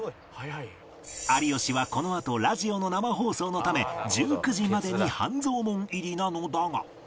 有吉はこのあとラジオの生放送のため１９時までに半蔵門入りなのだが